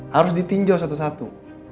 harus ditinjau satu satu